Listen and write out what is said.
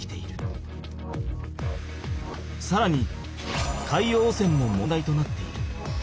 さらに海洋汚染も問題となっている。